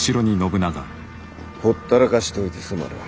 ほったらかしておいてすまぬ。